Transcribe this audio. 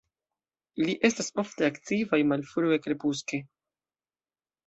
Ili estas ofte aktivaj malfrue krepuske.